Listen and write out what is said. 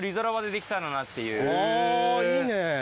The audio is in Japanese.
あいいね。